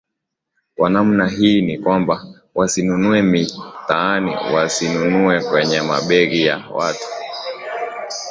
kwa namna hii ni kwamba wasinunue mitaani wasinunue kwenye mabegi ya watu